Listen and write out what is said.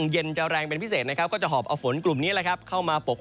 เย็นจะแรงเป็นพิเศษนะครับก็จะหอบเอาฝนกลุ่มนี้เข้ามาปก